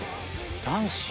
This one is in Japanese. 男子？